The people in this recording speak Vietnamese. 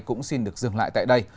cũng xin được dừng lại tại đây